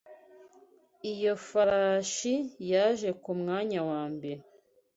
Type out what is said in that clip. Iyo farashi yaje ku mwanya wa mbere.